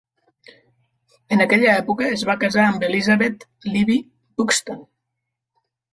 En aquella època es va casar amb Elizabeth "Libbie" Buxton.